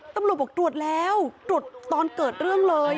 ตำรวจบอกตรวจแล้วตรวจตอนเกิดเรื่องเลย